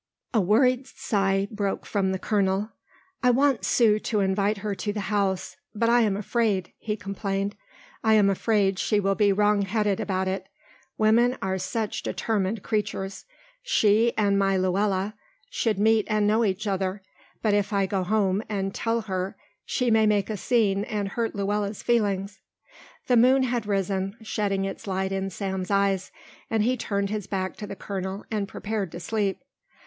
A worried sigh broke from the colonel. "I want Sue to invite her to the house, but I am afraid," he complained; "I am afraid she will be wrong headed about it. Women are such determined creatures. She and my Luella should meet and know each other, but if I go home and tell her she may make a scene and hurt Luella's feelings." The moon had risen, shedding its light in Sam's eyes, and he turned his back to the colonel and prepared to sleep.